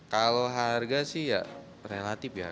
kalau harga sih ya relatif ya